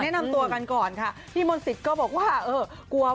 แนะนำตัวกันก่อนค่ะพี่มนศิษย์ก็บอกว่า